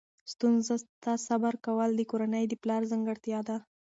ستونزو ته صبر کول د کورنۍ د پلار ځانګړتیا ده.